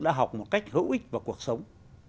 để học một cách hữu ích vào cuộc sống